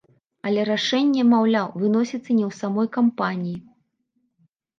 Але рашэнне, маўляў, выносіцца не ў самой кампаніі.